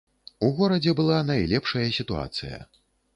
У горадзе была найлепшая сітуацыя.